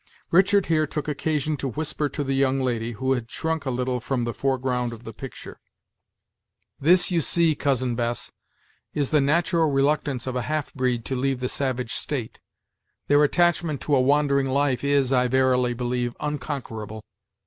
Richard here took occasion to whisper to the young lady, who had shrunk a little from the foreground of the picture: "This, you see, Cousin Bess, is the natural reluctance of a half breed to leave the savage state. Their attachment to a wandering life is, I verily believe, unconquerable."